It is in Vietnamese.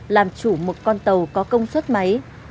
làm chủ một con tàu có công suất máy